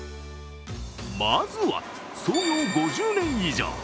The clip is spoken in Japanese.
まずは、創業５０年以上。